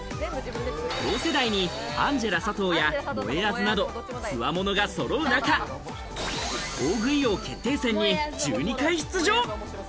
同世代にアンジェラ佐藤やもえあずなど、つわものがそろう中、『大食い王決定戦』に１２回出場。